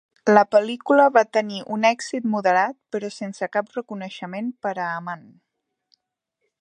La pel·lícula va tenir un èxit moderat però sense cap reconeixement per a Aman.